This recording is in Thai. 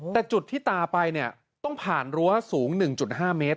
แต่จุดที่ตาไปเนี่ยต้องผ่านรั้วสูง๑๕เมตร